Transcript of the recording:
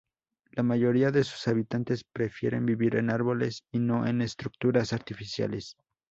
La mayoría de sus habitantes prefieren vivir en árboles y no en estructuras artificiales.